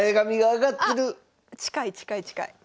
あっ近い近い近い。